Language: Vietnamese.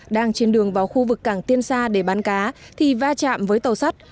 đang trên đường vào khu vực cảng tiên sa để bán cá thì va chạm với tàu sắt